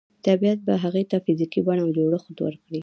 طبیعت به هغې ته فزیکي بڼه او جوړښت ورکړي